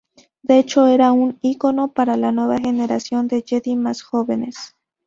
De hecho era un icono para la nueva generación de Jedi más jóvenes.